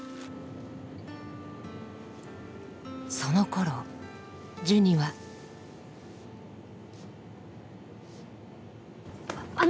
そのころジュニはあの！